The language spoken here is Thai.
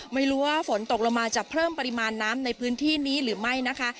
ไม่รู้ว่าฝนตกลงมาจะเพิ่มปริมาณน้ำในพื้นที่นี้หรือไม่นะคะ